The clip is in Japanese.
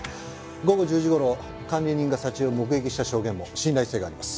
午後１０時頃管理人が佐知恵を目撃した証言も信頼性があります。